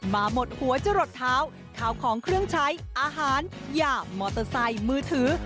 มาหมดหัวจะหลดเท้าข้าวของเครื่องใช้อาหารยามอเตอร์ไซค์มือถือ